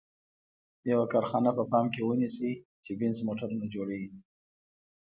یوه کارخانه په پام کې ونیسئ چې بینز موټرونه جوړوي.